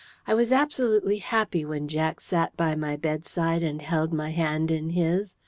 I was absolutely happy when Jack sat by my bedside and held my hand in his.